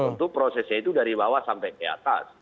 tentu prosesnya itu dari bawah sampai ke atas